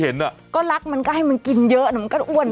เวรไลฟัดกันเลย